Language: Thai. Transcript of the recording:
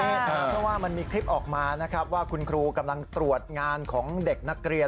เพราะว่ามันมีคลิปออกมานะครับว่าคุณครูกำลังตรวจงานของเด็กนักเรียน